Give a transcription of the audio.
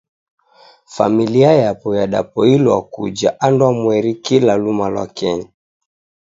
Familia yapo yadapoilwa kuja andwamweri kila luma lwa kenyi.